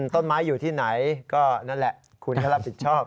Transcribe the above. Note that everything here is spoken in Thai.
ต้นไม้อยู่ที่ไหนก็นั่นแหละคุณก็รับผิดชอบ